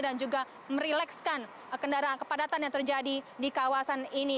dan juga merelaxkan kendaraan kepadatan yang terjadi di kawasan ini